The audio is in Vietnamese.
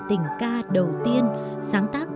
tình ca đầu tiên sáng tác